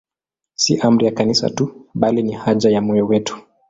Si amri ya Kanisa tu, bali ni haja ya moyo wetu.